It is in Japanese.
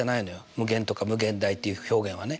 無限とか無限大っていう表現はね。